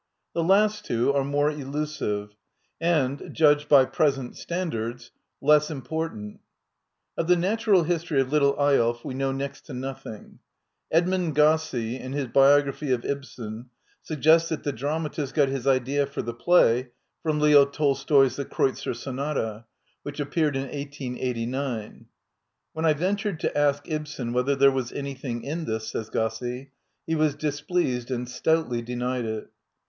The last two are more elu sive, and, judged by present standards, less im portant. ^ Of the natural history of " Little Eyolf " wc know next to nothing. Edmund Gosse, in his biog raphy of Ibsen, suggests that the dramatist got his idea for the play from Leo Tolstoy's " The Kreut vi Digitized by VjOOQIC «s INTRODUCTION zcr Sonata," which appeared in 1889. "When I ventured to ask Ibsen whether there was anything in this," says Gosse, " he was displeased and stoutly denied it."